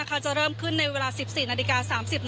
ก็จะมีการพิพากษ์ก่อนก็มีเอ็กซ์สุข่อน